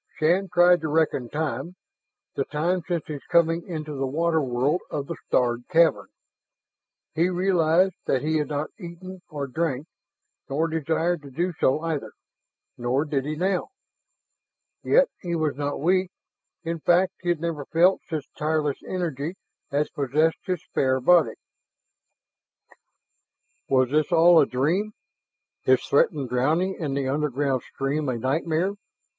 Shann tried to reckon time, the time since his coming into the water world of the starred cavern. He realized that he had not eaten, nor drank, nor desired to do so either nor did he now. Yet he was not weak; in fact, he had never felt such tireless energy as possessed his spare body. Was this all a dream? His threatened drowning in the underground stream a nightmare?